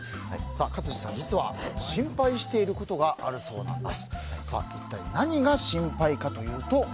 勝地さん実は心配していることが行きつけ教えます！